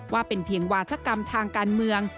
ว่าเป็นเพียงวาธกรรมทางการเมือง